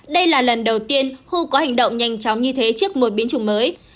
đây là lần đầu tiên khu có hành động nhanh chóng như thế trước một biến chủng mới